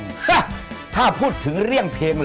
ฮะถ้าพูดถึงเรื่องเพลงเหรอ